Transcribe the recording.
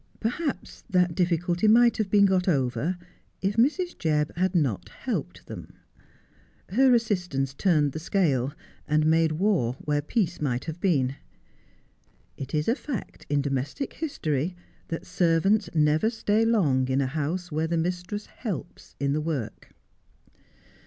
Perhaps that difficulty might have been got over if Mrs. Jebb had not helped them. Her assistance turned the scale, and made war where peace might have been. It is a fact in domestic history, that servants never stay long in a house where the mistress helps in the work.